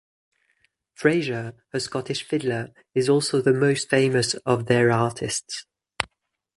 Fraser, a Scottish fiddler, is also the most famous of their artists.